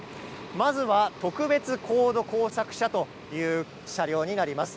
まずは特別高度工作車という車両です。